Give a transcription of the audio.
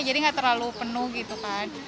jadi enggak terlalu penuh gitu kan